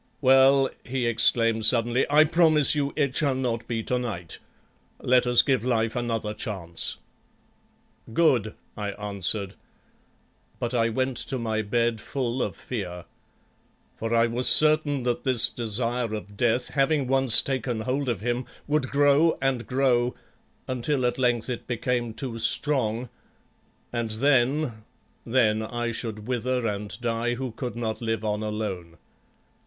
"Well," he exclaimed suddenly, "I promise you it shall not be to night. Let us give life another chance." "Good," I answered; but I went to my bed full of fear. For I was certain that this desire of death, having once taken hold of him, would grow and grow, until at length it became too strong, and then then I should wither and die who could not live on alone.